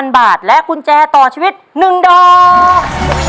๐บาทและกุญแจต่อชีวิต๑ดอก